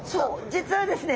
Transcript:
実はですね